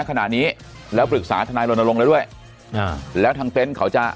ขนาดนี้แล้วปรึกษาทนายลนลงแล้วด้วยแล้วทางเต้นเขาจะ